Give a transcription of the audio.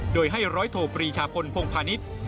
โดยให้ร้อยโทปรีชาพลพงพาณิชย์